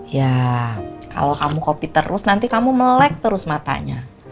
ya kalau kamu kopi terus nanti kamu melek terus matanya